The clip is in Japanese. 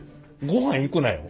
ごはん行くなよ。